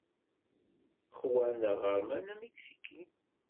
Juan d aɣerman amiksiki.